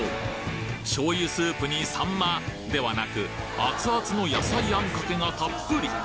醤油スープにサンマではなくアツアツの野菜あんかけがたっぷり！